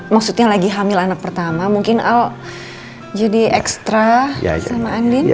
maksudnya lagi hamil anak pertama mungkin al jadi ekstra sama andin